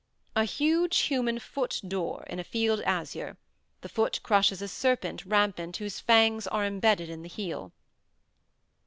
"A huge human foot d'or, in a field azure; the foot crushes a serpent rampant whose fangs are imbedded in the heel."